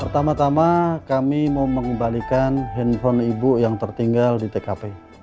pertama tama kami mau mengembalikan handphone ibu yang tertinggal di tkp